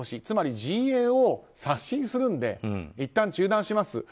つまり陣営を刷新するのでいったん中断します